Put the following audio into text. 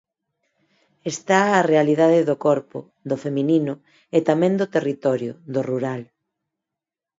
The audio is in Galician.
Está a realidade do corpo, do feminino, e tamén do territorio, do rural.